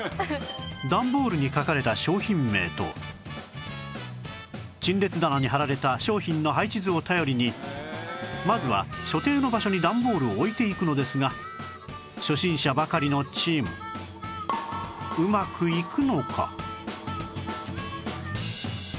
段ボールに書かれた商品名と陳列棚に貼られた商品の配置図を頼りにまずは所定の場所に段ボールを置いていくのですが初心者ばかりのチームうまくいくのか？